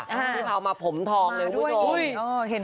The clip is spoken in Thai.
ที่เขามาผมทองเลยคุณผู้ชม